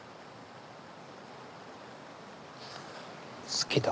「好きだ」。